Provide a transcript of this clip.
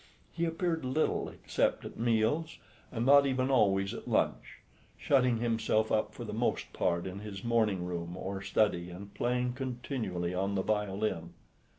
He appeared little except at meals, and not even always at lunch, shutting himself up for the most part in his morning room or study and playing continually on the violin.